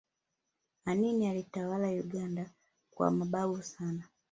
anini alitawala uganda kwa mabavu sana